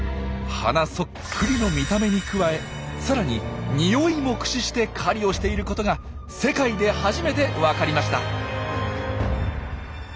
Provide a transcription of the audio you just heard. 花そっくりの見た目に加えさらに匂いも駆使して狩りをしていることが世界で初めてわかりました。